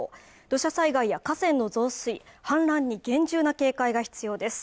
土砂災害や河川の増水氾濫に厳重な警戒が必要です